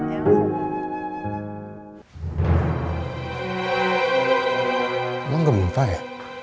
emang gempa ya